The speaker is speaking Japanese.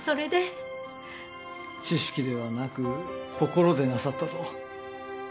知識ではなく心でなさったと。